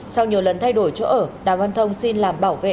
sau nhiều lần thay đổi chỗ ở đàm văn thông xin làm bảo vệ